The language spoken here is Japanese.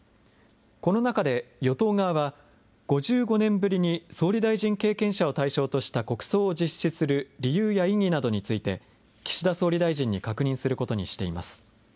この中で与党側は、５５年ぶりに総理大臣経験者を対象とした国葬を実施する理由や意義などについて、岸田総理大臣に確認することにしています。